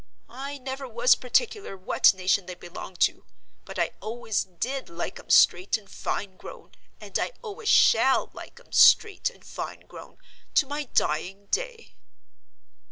"I never was particular what nation they belonged to; but I always did like 'em straight and fine grown, and I always shall like 'em straight and fine grown, to my dying day."